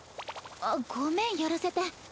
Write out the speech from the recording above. あっごめんやらせて。